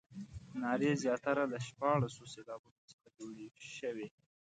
نارې زیاتره له شپاړسو سېلابونو څخه جوړې شوې.